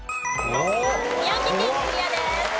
宮城県クリアです。